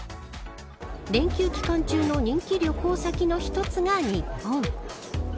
連休期間中の人気旅行先の一つが日本。